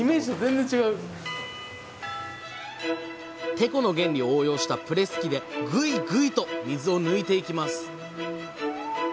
テコの原理を応用したプレス機でグイグイと水を抜いていきます。